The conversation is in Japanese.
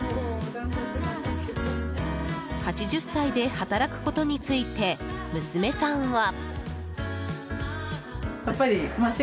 ８０歳で働くことについて娘さんは。